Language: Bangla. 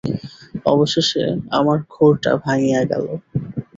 অবশেষে আমার ঘোরটা ভাঙিয়া গেল।